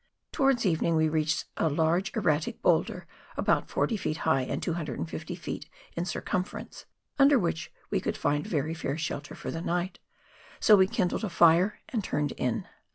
Towards evening we reached a large erratic boulder, about 40 feet high and 250 feet in circumference, under which we could find very fair shelter for the night, so we kindled a fire and turned in.